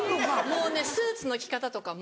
もうねスーツの着方とかも。